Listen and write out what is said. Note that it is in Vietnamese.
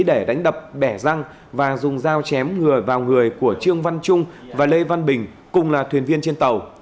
để đánh đập bẻ răng và dùng dao chém người vào người của trương văn trung và lê văn bình cùng là thuyền viên trên tàu